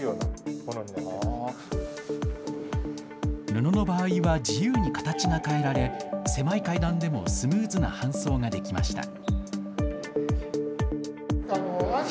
布の場合は自由に形が変えられ狭い階段でもスムーズな搬送ができました。